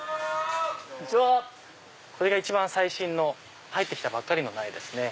これが一番最新の入って来たばかりの苗ですね。